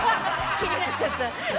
◆気になっちゃった。